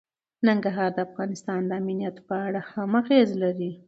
ننګرهار د افغانستان د امنیت په اړه هم اغېز لري.